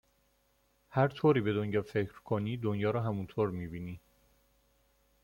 هر طوری به دنیا فکر کنی دنیا رو همونطور میبینی